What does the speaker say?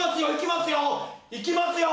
いきますよ！